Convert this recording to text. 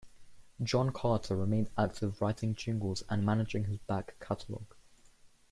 John Carter remained active writing jingles and managing his back catalogue.